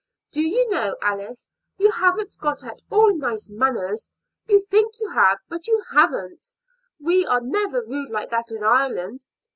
Do you know, Alice, you haven't got at all nice manners. You think you have, but you haven't. We are never rude like that in Ireland.